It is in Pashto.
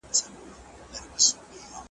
پرېږده چي دا سره لمبه په خوله لري.